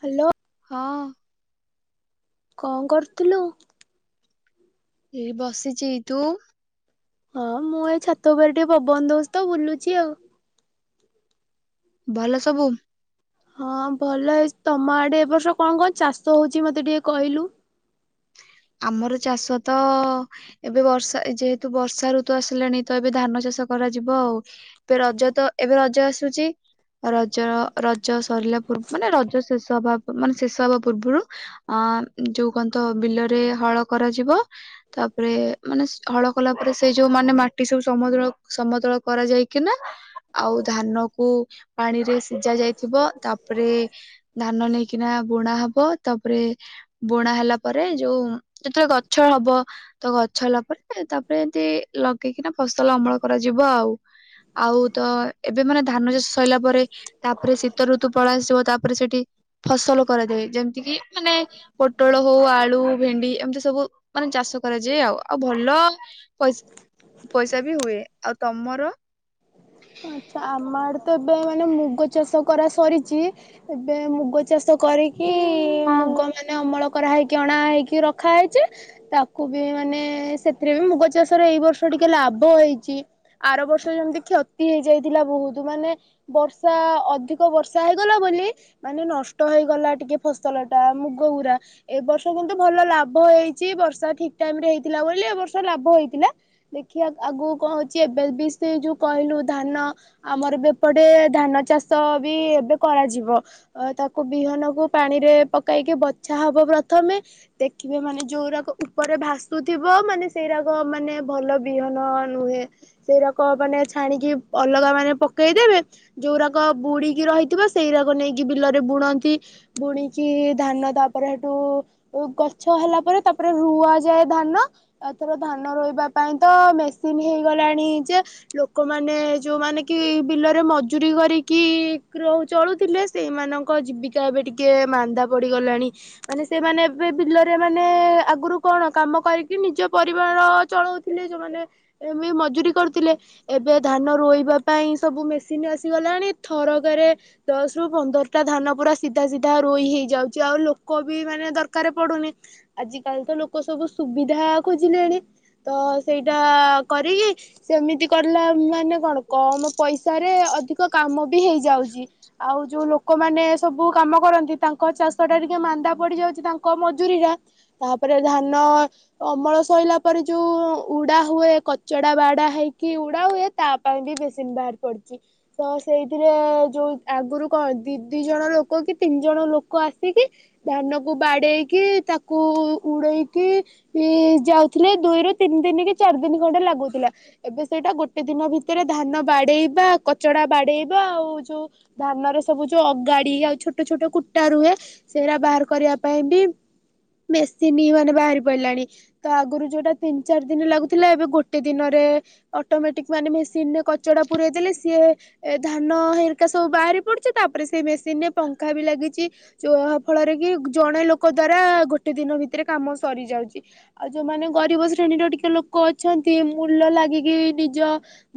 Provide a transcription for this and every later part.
Hello ହଁ କଣ କରୁଥିଲୁ। ଏଇ ବସିଚି ତୁ ହଁ ମୁଁ ଏ ଛାତବାର ଟିକେ ପବନ ଦୋଷ ବୁଲୁଛି ଆଉ ଭଲ ସବୁ ହଁ ଭଲ ହେଇ ତମ ଆଡେ ଏ ବର୍ଷ କଣ କଣ ଚାଷ ହଉଛି ମତେ ଟିକେ କହିଲୁ? ଆମର ଚାଷ ତ ଏବେ ବର୍ଷା ଯେହେତୁ ବର୍ଷା ଋତୁ ଆସିଲାଣି ତ ଏବେ ଧାନ ଚାଷ କରାଯିବ ଆଉ ଏବେ ରଜ ତ ଏବେ ରଜ ଆସୁଛି ରଜ ରଜ ସରିଲା ପୂର୍ବ ମାନେ ରଜ ଶେଷ ହବା ମାନେ ଶେଷ ହବା ପୂର୍ବରୁ ଅ ଯୋଉ କହନ୍ତ ବିଲ ହଳ କରାଯିବ ତାପରେ ମାନେ ହଳ କଲା ପରେ ସେଇ ଯୋଉ ମାନେ ମାଟି ସବୁ ସମତଳ ସମତଳ କରାଯାଇକିନା ଆଉ ଧାନ କ ପାଣିରେ ସିଝା ଯାଇଥିବ ତାପରେ ଧାନ ନେଇକିନା ବୁଣା ହବ ତାପରେ ବୁଣା ହେଲା ପରେ ଯୋଉ ଯେତେବେଳେ ଗଛ ହବ ତ ଗଛ ହେଲା ପରେ ତାପରେ ଏମିତି ଲଗେଇକିନା ଫସଲ ଅମଳ କରାଯିବ ଆଉ ଆଉ ତ ଏବେ ମାନେ ଧାନ ଚାଷ ସରିଲା ପରେ ତାପରେ ଶୀତ ଋତୁ ଫଳ ଆସିଯିବ ତାପରେ ସେଠି ଫସଲ କରାଯାଏ ଯେମିତି କିି ମାନେ ପୋଟଳ ହଉ ଆଳୁ ଭେଣ୍ଡି ଏମିତି ସବୁ ମାନେ ଚାଷ କରାଯାଏ ଆଉ ଆଉ ଭଲ ପସ ପଇସା ବି ହୁଏ ଆଉ ତମର ଆଚ୍ଛା ଆମ ଆଡେ ତ ଏବେ ମାନେ ମୁଗ ଚାଷ କରା ସରିଛି ଏବେ ମୁଗ ଚାଷ କରିକି ମୁଗ ମାନେ ଅମଳ କରା ହେଇକି ଅଣା ହେଇକି ରଖା ହେଇଛେ ତାକୁ ବି ମାନେ ସେଥିରେ ବି ମୁଗ ଚାଷରେ ଏଇ ବର୍ଷ ଟିକେ ଲାଭ ହେଇଛି ଆର ବର୍ଷ ଯେମତି କ୍ଷ ହେଇଯାଇଥିଲା ବହୁତ ମାନେ ବର୍ଷା ଅଧିକ ବର୍ଷା ହେଇଗଲା ବୋଲି ମାନେ ନଷ୍ଟ ହେଇଗଲା ଟିକେ ଫସଲ ଟା ମୁଗ ଗୁରା ଏ ବର୍ଷ କିନ୍ତୁ ଭଲ ଲାଭ ହେଇଛି ବର୍ଷା ଠିକ ଟାଇମ ରେ ହେଇଥିଲା ବୋଲି ଏ ବର୍ଷ ଲାଭ ହେଇଥିଲା ଦେଖିବା ଆଗକୁ କଣ ହଉଛି ଏବେ ବି ସେ ଯୋଉ କହିଲୁ ଧାନ ଆମର ବି ଏପଟେ ଧାନ ଚାଷ ବି ଏବେ କରାଯିବ ତାକୁ ବିହନକୁ ପାଣିରେ ପକାଇକି ବଛା ହବ ପ୍ରଥମେ ଦେଖିବେ ମାନେ ଯୋଉରାକ ଉପରେ ଭାସୁଥିବ ମାନେ ସେଇରାକ ମାନେ ଭଲ ବିହନ ନୁହେଁ ସେଇଗାକ ମାନେ ଛାଣିକି ଅଲଗା ମାନେ ପକେଇଦେବେ ଯୋଉରାକ ବୁଡ଼ିକି ରହିଥିବ ସେଇରାକ ନେଇକି ବିଲରେ ବୁଣନ୍ତି ବୁଣିକି ଧାନ ତାପରେ ହେଟୁ ଗଛ ହେଲା ପରେ ତାପରେ ରୁଆଯାଏ ଧାନ। ତାଥର ଧାନ ରୋଇିବା ପାଇଁ ତ ମେସିନ୍ ହେଇଗଲାଣି ଯେ ଲୋକମାନେ ଯୋଉମାନେ କି ବିଲରେ ମଜୁରି କରିକି ଚଳୁଥିଲେ ସେଇମାନଙ୍କ ଜୀବିକା ଏବେ ଟିକେ ମାନ୍ଦା ପଡ଼ିଗଲାଣି ମାନେ ସେମାନେ ଏବେ ବିଲରେ ମାନେ ଆଗରୁ କଣ କାମ କରିକି ନିଜ ପରିବାର ଚଳାଉଥିଲେ ଯୋଉମାନେ ଏ ମଜୁରି କରୁଥିଲେ ଏବେ ଧାନ ରୋଇବା ପାଇଁ ସବୁ ମେସିନ୍ ଆସିଗଲାଣି ଥରକରେ ଦଶ ରୁ ପନ୍ଦରଟା ଧାନ ପୁରା ସିଧା ସିଧା ରୋଇ ହେଇଯାଉଛି ଆଉ ଲୋକ ବି ମାନେ ଦରକାର ପଡ଼ୁନି ଆଜିକାଲି ତ ଲୋକ ସବୁ ସୁବିଧା ଖୋଜିଲେଣି ତ ସେଇଟା କରିକି ସେମିତି କରଲା ମାନେ କଣ କମ ପଇସାରେ ଅଧିକ କାମ। ବି ହେଇଯାଉଛି ଆଉ ଯୋଉ ଲୋକମାନେ ସବୁ କାମ କରନ୍ତି ତାଙ୍କ ଚାଷ ଟା ଟିକେ ମାନ୍ଦା ପଡି ଯାଉଛି ତାଙ୍କ ମଜୁୁରୀ ଟା ତାପରେ ଧାନ ଅମଳ ସଇଲା ପରେ ଯୋଉ ଉଡା ହୁଏ କଚଡା ବାଡା ହେଇକି ଉଡା ହୁଏ ତା ପାଇଁ ବି ବେସିନ୍ ବାହାର ପଡିଛି ତ ସେଇଥିରେ ଯୋଉ ଆଗରୁ କଣ ଦି ଦି ଜଣ ଲୋକ କି ତିନି ଜଣ ଲୋକ ଆସିକି ଧାନ କୁ ବାଡେଇକି ତାକୁ ଉଡେଇକି ଯାଉଥିଲେ ଦୁଇରୁ ତିନି ଦିନ କି ଚାରି ଦିନ ଖଣ୍ଡେ ଲାଗୁଥିଲା ଏବେ ସେଇଟା ଗୋଟେ ଦିନ ଭିତ ଭିତରେ ଧାନ ବାଡେଇବା କଚଡା ବାଡେଇବା ଆଉ ଯୋଉ ଧାନର ସବୁ ଯୋଉ ଅଗାଡି ଆଉ ଛୋଟ ଛୋଟ କୁଟା ରୁହେ ସେଇରା ବାହାର କରିବା ପାଇଁ ବି ମେସିନ ମାନେ ବାହାରି ପଡିଲାଣି ତ ଆଗରୁ ଯୋଉଟା ତିନି ଚାରି ଦିନ ଲାଗୁଥିଲା ଏବେ ଗୋଟେ ଦିନରେ ଅଟୋମେଟିକ ମାନେ ମେସିନ୍ ମେସିନରେ କଚଡା ପୁରଇ ଦେଲେ ସିଏ ଧାନ ହେରିକା ସବୁ ବାହାରି ପଡୁଛି ତାପରେ ସେଇ ମେସିନ ରେ ପଙ୍ଖା ବି ଲାଗିଛି ଯାହା ଫଳରେ କି ଜଣେ ଲୋକ ଦ୍ଵାରା ଗୋଟେ ଦିନ ଭିତରେ କାମ ସରିଯାଉଛି ଆଉ ଯୋଉମାନେ ଗରିବ ଶ୍ରେଣୀର ଟିକେ ଲୋକ ଅଛନ୍ତି ମୂଲ ଲାଗିକି ନିଜ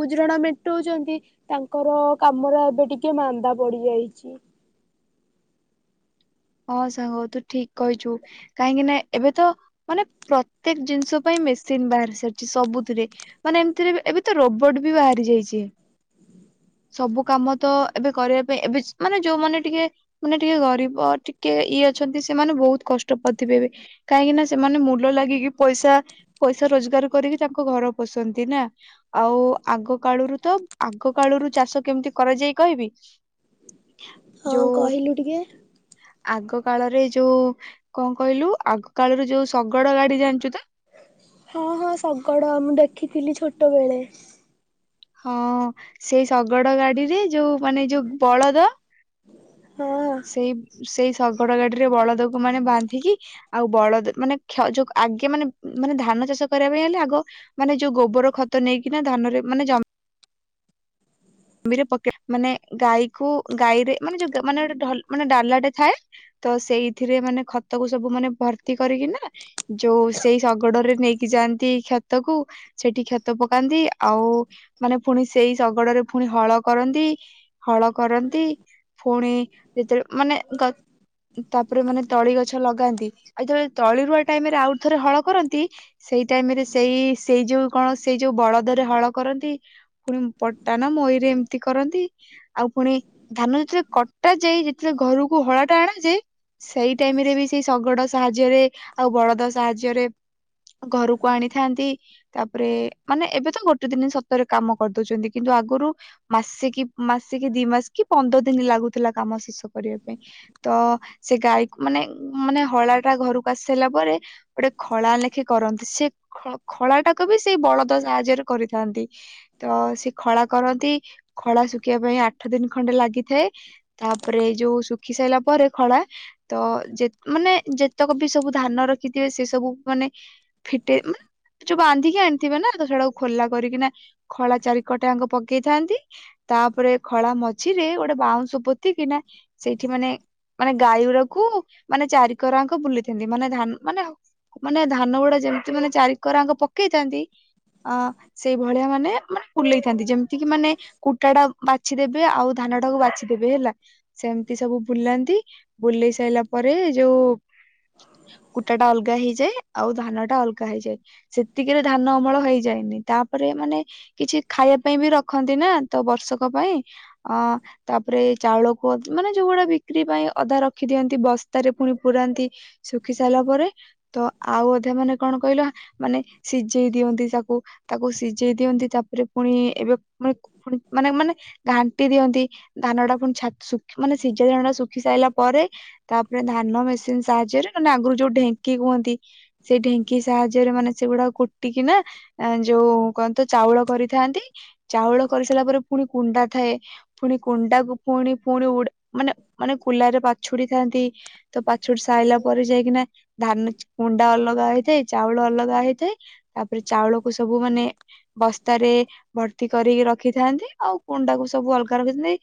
ଗୁଜୁରାଣା ମେଣ୍ଟଉଛନ୍ତି ତାଙ୍କର କାମରେ ଏବେ ଟିକେ ମାନ୍ଦା ପଡିଯାଇଛି। ହଁ ସାଙ୍ଗ ତୁ ଠିକ କହିଛୁ କାହିଁକି ନା ଏବେ ତ ମାନେ ପ୍ରତ୍ୟେକ ଜିନିଷ ପାଇଁ ମେସିନ ବାହାରି ସାରିଛି ସବୁଥିରେ ମାନେ ଏମିତିରେ ଏବେ ତ ରୋବଟ ବି ବାହାରି ଯାଇଛି ସବୁ କାମ ତ ଏବେ କରିବା ପାଇଁ ଏବେ ମାନେ ଯୋଉମାନେ ଟିକେ ମାନେ ଟିକେ ଗରିବ କି ଇଏ ଅଛନ୍ତି ସେମାନେ ବହୁତ କଷ୍ଟ ପାଉଥିବେ ଏବେ କାହିଁକି ନା ସେମାନେ ମୁୂଲ ଲାଗିକି ପଇସା ପଇସା ରୋଜଗାର କରିକି ତାଙ୍କ ଘର ପୋଷନ୍ତି ନା ଆଉ ଆଗ କାଳରୁ ତ ଆଗ କାଳରୁ ଚାଷ କେମିତି କରାଯାଇ କହିବି ହଁ ଯୋଉ କହିଲୁ ଟିକେ। ଆଗ କାଳରେ ଯୋଉ କଣ କହିଲୁ ଆଗ କାଳରୁ ଯୋଉ ଶଗଡ ଗାଡି ଜାଣିଛୁ ତ ହଁ ହଁ ଶଗଡ ମୁଁ ଦେଖିଥିଲି ଛୋଟବେଳେ। ହଁ ସେଇ ଶଗଡ ଗାଡିରେ ଯୋଉ ମାନେ ଯୋଉ ବଳଦ ହଁ ସେଇ ସେଇ ଶଗଡ ଗାଡିରେ ବଳଦକୁ ଲୋକ ମାନେ ବାନ୍ଧିକି ଆଉ ବଳଦ ମାନେ କ୍ଷ ଯୋଉ ଆଗେ ମାନେ ମାନେ ଧାନ ଚାଷ କରିବା ପାଇଁ ହେଲେ ଆଗ ମାନେ ଯୋଉ ଗୋବର ଖତ ନେଇକିନା ଧାନରେ ମାନେ ଜମି ମାନେ ଗାଈକୁ ଗାଈରେ ମାନେ ଯୋଉ ମାନେ ଗୋଟେ ମାନେ ଡାଲାଟେ ଥାଏ ତ ସେଇଥିରେ ମାନେ ଖତକୁ ସବୁ ମାନେ ଭର୍ତ୍ତି କରିକିନା ଯୋଉ ସେଇ ଶଗଡରେ ନେଇକି ଯାଆନ୍ତି କ୍ଷତକୁ ସେଠି କ୍ଷତ ପକାନ୍ତି ଆଉ ମାନେ ପୁଣି ସେଇ ଶଗଡରେ ଫୁଣି ହଳ କରନ୍ତି ହଳ କରନ୍ତି ପୁଣି ଯେତେବେଳେ ମାନେ ଗ ତାପରେ ମାନେ ତଳି ଗଛ ଲଗାନ୍ତି ଆଉ ଯେତେବେଳେ ତଳି ରୁଆ ଟାଇମ ରେ ଆଉଥରେ ହଳ କରନ୍ତି ସେଇ ଟାଇମ ରେ ସେଇ ସେଇ ଯୋଉ କଣ ସେଇ ଯୋଉ ବଳଦରେ ହଳ କରନ୍ତି ପୁଣି ପ କଣ ନା ମଇରେ ଏମିତି କରନ୍ତି ଆଉ ପୁଣି ଧାନ ଯେତେବେଳେ କଟା ଯାଏ ଯେତେବେଳେ ଘରକୁ ହଳଟା ଆଣାଯାଏ ସେଇ ଟାଇମ ରେ ବି ସେଇ ଶଗଡ ସାହାଯ୍ୟରେ ଆଉ ବଳଦ ସାହାଯ୍ୟରେ ଘରକୁ ଆଣିଥାନ୍ତି ତାପରେ ମାନେ ଏବେ ତ ଗୋଟେ ଦିନ ସତରେ କାମ କରିଦଉଛନ୍ତି। କିନ୍ତୁ ଆଗରୁ ମାସ କି ମାସ କି ଦି ମାସ କି ପନ୍ଦର ଦିନ ଲାଗୁଥିଲା କାମ ଶେଷ କରିବା ପାଇଁ ତ ସେ ଗାଈକୁ ମାନେ ମାନେ ହଳା ଟା ଘରକୁ ଆସି ସାରିଲା ପରେ ଗୋଟେ ଖଳା ଲେଖେ କରନ୍ତି ସେ ଖଳାଟାକୁ ବି ସେଇ ବଳଦ ସାହାଯ୍ୟରେ କରିଥାନ୍ତି ତ ସେ ଖଳା କରନ୍ତି ଖଳା ଶୁଖିବା ପାଇଁ ଆଠ ଦିନ ଖଣ୍ଡେ ଲାଗିଥାଏ ତାପରେ ଏଇ ଯୋଉ ଶୁଖି ସାରିଲା ପରେ ଖଳା ତ ମାନେ ଯେତେକ ବି ସବୁ ଧାନ ରଖିଥିବେ ସେ ସବୁ ମାନେ ଫିଟେଇ ମାନେ ଯୋଉ ବାନ୍ଧିକି ଆଣିଥିବେ ନା ତ ସେଟାକୁ ଖୋଲା କରିକିନା ଖଳା ଚାରି କରଟାଆଙ୍କ ପକେଇଥାନ୍ତି ତାପରେ ଖଳା ମଝିରେ ଗୋଟେ ବାଉଁଶ ପୋତି କିିନା ସେଇଠି ମାନେ ମାନେ ଗାଈଗୁରାକୁ ମାନେ ଚାରିକରାଙ୍କ ବୁଲେଇଥାନ୍ତି ମାନେ ଧାନ ମାନେ ମାନେ ଧାନ ଗୁଡା ଯେମିତି ମାନେ ଚାରିକରାଙ୍କ ପକେଇଥାନ୍ତି ଅ ସେଇଭଳିଆ ମାନେ ମାନେ ବୁଲେଇଥାନ୍ତି ଯେମିତି କିି ମାନେ କୁଟା ଟା ବାଛିଦେବେ ଆଉ ଧାନ ଟାକୁ ବାଛିଦେବେ ହେଲା ସେମିତି ସବୁ ବୁଲାନ୍ତି ବୁଲେଇ ସାରିଲା ପରେ ଯୋଉ କୁଟା ଟା ଅଲଗା ହେଇଯାଏ ଆଉ ଧାନ ଟା ଅଲଗା ହେଇଯାଏ ସେତିକିରେ ଧାନ ଅମଳ ହେଇଯାଏନି ତାପରେ ମାନେ କିଛି ଖାଇବା ପାଇଁ ବି ରଖନ୍ତି ନା ତ ବର୍ଷକ ପାଇଁ ଅ ତାପରେ ଚାଉଳକୁ ମାନେ ଯୋଉଗୁଡା ବିକ୍ରି ପାଇଁ ଅଧା ରଖିଦିଅନ୍ତି ବସ୍ତାରେ ପୁଣି ପୁରାନ୍ତି ଶୁଖି ସାରିଲା ପରେ ତ ଆଉ ଅଧା ମାନେ କଣ କହିଲ ମାନେ ସିଝେଇ ଦିଅନ୍ତି ତାକୁ ତାକୁ ସିଝେଇ ଦିଅନ୍ତି ତା ରେ ପୁଣି ଏବେ ପୁ -ପୁଣି ମାନେ ମାନେ ଘାଣ୍ଟି ଦିଅନ୍ତି ଧାନ ଟା ପୁଣି ଛାତ ଶୁ ମାନେ ସିଝା ଧାନ ଟା ଶୁଖି ସାଇଲା ପରେ ତାପରେ ଧାନ ମେସିନ ସାହାଯ୍ୟରେ ନାହଲେ ଆଗରୁ ଯୋଉ ଢେଙ୍କି କୁହନ୍ତି ସେଇ ଢେଙ୍କି ସାହାଯ୍ୟରେ ମାନେ ସେଗୁଡା କୁଟିକିନା ଯୋଉ କଣତ ଚାଉଳ କରି ଥାନ୍ତି ଚାଉଳ କରିସାରିଲା ପରେ ପୁଣି କୁଣ୍ଡା ଥାଏ ପୁଣି କୁଣ୍ଡାକୁ ପୁଣି ପୁଣି ଉଡ଼ା ମାନେ ମାନେ କୁଲା ରେ ପାଛୁଡି ଥାନ୍ତି ତ ପାଛୁଡି ସାଇଲା ପରେ ଯାଇକିନା ଧାନ କୁଣ୍ଡା ଅଲଗା ହେଇଥାଏ ଚାଉଳ ଅଲଗା ହେଇଥାଏ ତାପରେ ଚାଉଳକୁ ସବୁ ମାନେ ବସ୍ତା ତାରେ ଭର୍ତ୍ତି କରିକି ରଖିଥାନ୍ତି ଆଉ କୁଣ୍ଡାକୁ ସବୁ ଅଲଗା ରଖିଥାନ୍ତି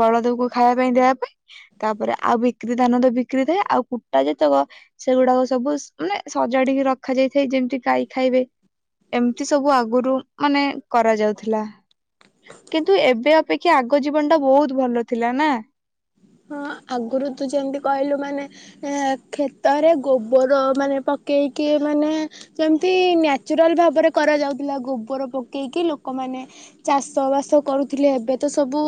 ବଳଦବକୁ ଖାଇବା ପାଇଁ ଦେବା ପାଇଁ ତାପରେ ଆଉ ବିକ୍ରି ଧାନ ତ ବିକ୍ରି ଥାଏ ଆଉ କୁଟା ଯେତକ ସେଗୁଡା ସବୁ ମାନେ ସଜାଡିକି ରଖାଯାଇଥାଏ ଯେମିତି ଗାଈ ଖାଇବେ ଏମିତି ସବୁ ଆଗରୁ ମାନେ କରାଯାଉଥିଲା କିନ୍ତୁ ଏବେ ଅପେକ୍ଷା କି ଆଗ ଜୀବନ ଟା ବହୁତ ଭଲ ଥିଲା ନା। ହଁ ଆଗରୁ ତୁ ଯେମିତି କହିଲୁ ମାନେ ଏ କ୍ଷେତରେ ଗୋବର ମାନେ ପକେଇକି ମାନେ ଯେମିତି ନ୍ୟାଚୁରାଲ ଭାବରେ କରାଯାଉଥିଲା ଗୋବର ପକେଇକି ଲୋକମାନେ ଚାଷ ବାସ କରୁଥିଲେ ଏବେ ତ ସବୁ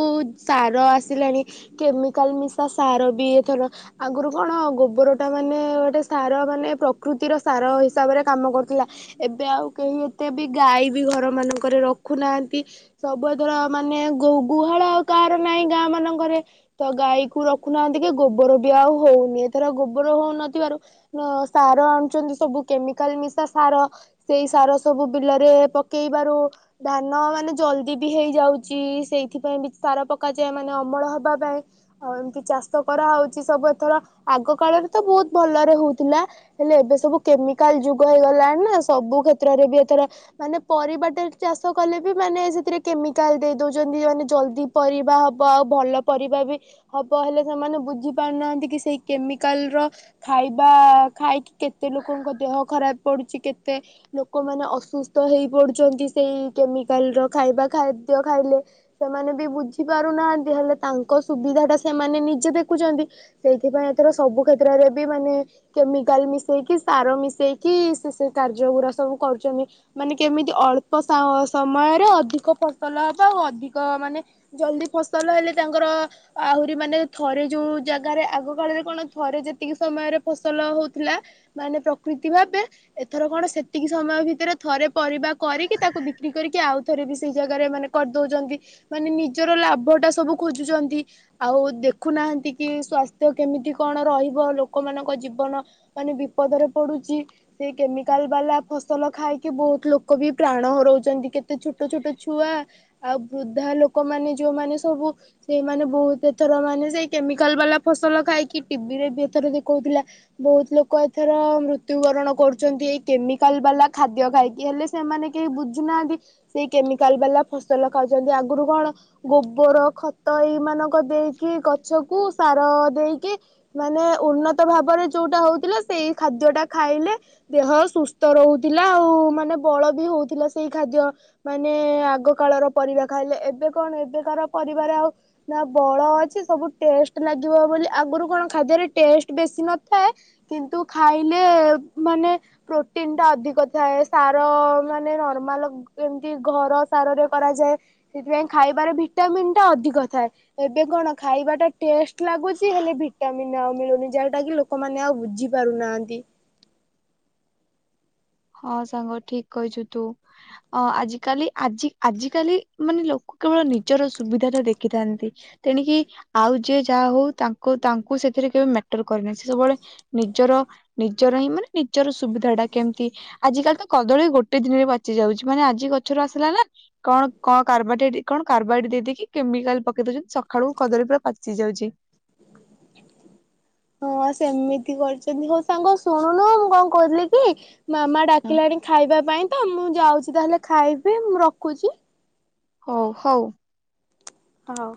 ସାର ଆସିଲାଣି କେମି କାଲ ମିଶା ସାର ବି ଏଥର ଆଗରୁ କଣ ଗୋବର ଟା ମାନେ ଗୋଟେ ସାର ମାନେ ପ୍ରକୃତିର ସାର ହିସାବରେ କାମ କରୁଥିଲା ଏବେ ଆଉ କେହି ଏତେ ବି ଗାଈ ବି ଘର ମାନଙ୍କରେ ରଖୁନାହାନ୍ତି ସବୁଏଥର ମାନେ ଗୁହାଳ ଆଉ କାହାର ନାହିଁ ଗାଁ ମାନଙ୍କରେ ତ ଗାଈକୁ ରଖୁନାହାନ୍ତି କି ଗୋବର ବି ଆଉ ହଉନି ଏଥର ଗୋବର ହଉନଥିବାରୁ ସାର ଆଣୁଛନ୍ତି ସବୁ କେମିକାଲ ମିଶା ସାର ସେଇ ସାର ସବୁ ବିଲରେ ପକେଇବାରୁ ଧାନ ମାନେ ଜଲଦି ବି ହେଇଯାଉଛି ସେଇଥିପାଇଁ ବି ସାର ପକାଯାଏ ମାନେ ଅମଳ ହବା ପାଇଁ। ଆଉ ଏମିତି ଚାଷ କରାହଉଛି ସବୁ ଏଥର ଆଗ କାଳରେ ତ ବହୁତ ଭଲରେ ହଉଥିଲା ହେଲେ ଏବେ ସବୁ କେମିକାଲ ଯୁଗ ହେଇଗଲାଣି ନା ସବୁ କ୍ଷେତ୍ରରେ ବି ଏଥର ମାନେ ପରିବାଟେ ଚାଷ କଲେ ବି ମାନେ ସେଥିରେ କେମିକାଲ ଦେଇ ଦଉଛନ୍ତି ମାନେ ଜଲଦି ପରିବା ହବ ଆଉ ଭଲ ପରିବା ବି ହବ ହେଲେ ସେମାନେ ବୁଝି ପାରୁନାହାନ୍ତି କି ସେଇ କେମିକାଲ ର ଖାଇବା ଖାଇକି କେତେ ଲୋକଙ୍କ ଦେହ ଖରାପ ପଡୁଛି କେତେ ଲୋକମାନେ ଅସୁସ୍ଥ ହେଇ ପଡୁଛନ୍ତି ସେଇ କେମିକାଲ ର ଖାଇବା ଖାଦ୍ୟ ଖାଇଲେ ସେମାନେ ବି ବୁଝି ପାରୁନାହାନ୍ତି ହେଲେ ତାଙ୍କ ସୁବିଧାଟା ସେମାନେ ନିଜେ ଦେଖୁଛନ୍ତି ସେଇଥିପାଇଁ ଏଥର ସବୁ କ୍ଷେତ୍ରରେ ବି ମାନେ କେମିକାଲ ମିଶେଇକି ସାର ମିଶାଇକି ସେ ସେ କାର୍ଯ୍ୟ ଗୁଡ଼ା ସବୁ କରୁଛନ୍ତି ମାନେ କେମିତି ଅଳ୍ପ ସମୟରେ ଅଧିକ ଫସଲ ହେବା ଆଉ ଅଧିକ ମାନେ ଜଲ୍ଦି ଫସଲ ହେଲେ ତାଙ୍କର ଆହୁରି ମାନେ ଥରେ ଯୋଉ ଜାଗାରେ ଆଗ କାଳରେ କଣ ଥରେ ଯେତିକି ସମୟରେ ଫସଲ ହଉଥିଲା ମାନେ ପ୍ରକୃତି ଭାବେ ଏଥର କଣ ସେତିକି ସମୟ ଭିତରେ ଥରେ ପରିବା କରିକି ତାକୁ ବିକ୍ରି କରିକି ଆଉ ଥରେ ବି ସେଇ ଜାଗାରେ ମାନେ କରିଦଉଛନ୍ତି ମାନେ ନିଜର ଲାଭ ଟା ସବୁ ଖୋଜୁଛନ୍ତି। ଆଉ ଦେଖୁନାହାନ୍ତି କି ସ୍ଵାସ୍ଥ୍ୟ କେମିତି କଣ ରହିବ ଲୋକମାନଙ୍କ ଜୀବନ ମାନେ ବିପଦରେ ପଡୁଛି ସେ କେମିକାଲ ବାଲା ଫସଲ ଖାଇକି ବହୁତ ଲୋକ ବି ପ୍ରାଣ ହରଉଛନ୍ତି କେତେ ଛୋଟ ଛୋଟ ଛୁଆ ଆଉ ବୃଦ୍ଧା ଲୋକମାନୋନ ଯୋଉମାନେ ସବୁ ସେମାନେ ବହୁତ ଏଥର ମାନେ ସେଇ କେମିକାଲ ବାଲା ଫସଲ ଖାଇକି ଟିଭି ରେ ବି ଏଥର ଦେଖଉଥିଲା ବହୁତ ଲୋକ ଏଥର ମୃତ୍ୟୁବରଣ କରୁଛନ୍ତି ଏଇ କେମିକାଲ ବାଲା ଖାଦ୍ୟ ଖାଇକି ହେଲେ ସେମାନେ କେହି ବୁଝୁନାହାନ୍ତି ସେଇ କେମିକାଲ ବାଲା ଫସଲ ଖାଉଛନ୍ତି ଆଗରୁ କଣ ଗୋବର ଖତ ଏଇ ମାନ ଦେଇକି ଗଛକୁ ସାର ଦେଇକି ମାନେ ଉନ୍ନତ ଭାବରେ ଯୋଉଟା ହଉଥିଲା ସେଇ ଖାଦ୍ୟ ଟା ଖାଇଲେ ଦେହ ସୁସ୍ଥ ରହୁଥିଲା ଆଉ ମାନେ ବଳ ବି ହଉଥିଲା ସେଇ ଖାଦ୍ୟ ମାନେ ଆଗ କାଳର ପରିବା ଖାଇଲେ ଏବେ କଣ ଏବେକାର ପରିବାର ଆଉ କ ନା ବଳ ଅଛି ସବୁ ଟେଷ୍ଟ ଲାଗିବ ବୋଲି ଆଗରୁ କଣ ଖାଦ୍ୟରେ ଟେଷ୍ଟ ବେଶୀ ନଥାଏ କିନ୍ତୁ ଖାଇଲେ ମାନେ ପ୍ରୋଟିନ୍ଟା ଅଧିକ ଥାଏ ସାର ମାନେ ନର୍ମାଲ ଏମିତି ଘର ସାରରେ କରାଯାଏ ସେଥିପାଇଁ ଖାଇବାରେ ଭିଟାମିନ୍ ଟା ଅଧିକ ଥାଏ। ଏବେ କଣ ଖାଇବା ଟା ଟେଷ୍ଟ ଲାଗୁଛି ହେଲେ ଭିଟାମିନ ମିଳୁନି ଯାଉଟା କି ଲୋକମାନେ ଆଉ ବୁଝି ପାରୁନାହାନ୍ତି। ହଁ ସାଙ୍ଗ ଠିକ କହିଛୁ ତୁ ଆଜିକାଲି ଆଜି ଆଜିକାଲି ମାନେ ଲୋକ କେବଳ ନିଜର ସୁବିଧା ଟା ଦେଖିଥାନ୍ତି ତେଣିକି ଆଉ ଯିଏ ଯାହା ହଉ ତାଙ୍କୁ ତାଙ୍କୁ ସେଥିରେ କେବେ ମ୍ୟାଟର କରେନାହିଁ ସେ ସବୁବେଳେ ନିଜର ନିଜର ହିଁ ମାନେ ନିଜର ସୁବିଧା ଟା କେମତି ଆଜି କାଲି ତ କଦଳୀ ଗୋଟେ ଦିନରେ ପାଚି ଯାଉଛି ମାନେ ଆଜି ଗଛରୁ ଆସିଲା ନା କଣ କଣ କାର୍ କଣ କାର୍ବାଇଡ୍ ଦେଇକି କେମିକାଲ ପକେଇ ଦଉଛନ୍ତି ସକାଳୁ କଦଳୀ ପୁରା ପାଚି ଯାଉଛି। ହଁ ସେମିତି କରିଛନ୍ତି ହଉ ସାଙ୍ଗ ଶୁଣୁନୁ ମୁଁ କଣ କହୁଥିଲି କି ମାମା ଡାକିଲାଣି ଖାଇବା ପାଇଁ ତ ମୁଁ ଯାଉଛି ତାହେଲେ ଖାଇବି ମୁଁ ରଖୁଛି। ହଉ ହଉ। ହ